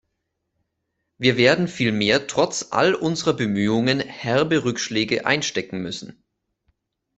Wir werden vielmehr trotz all unserer Bemühungen herbe Rückschläge einstecken müssen.